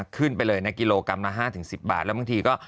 ขึ้นไปเลยนะกิโลกรัมละ๕๑๐บาทแล้วบางทีก็